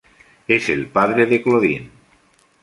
Es el padre de Claudine.